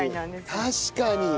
確かに。